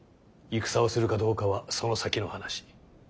戦をするかどうかはその先の話。